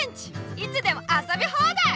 いつでもあそびほうだい！